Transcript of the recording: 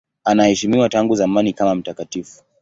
Anaheshimiwa tangu zamani kama mtakatifu.